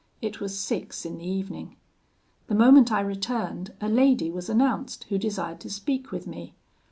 It was six in the evening. The moment I returned, a lady was announced, who desired to speak with me.